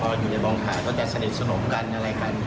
พออยู่ในกองถ่ายก็จะสนิทสนมกันอะไรกัน